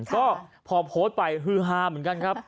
ก็พอโพสต์ไปฮือฮาเหมือนกันครับ